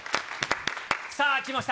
さあ、きました。